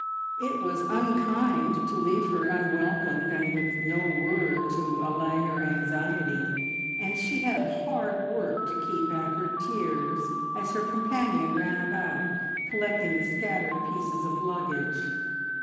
It was unkind to leave her unwelcomed and with no word to allay her anxiety, and she had hard work to keep back her tears as her companion ran about collecting the scattered pieces of luggage.